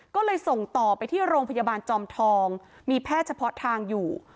ก็เลยส่งต่อไปที่โรงพยาบาลจอมทองมีแพทย์เฉพาะทางอยู่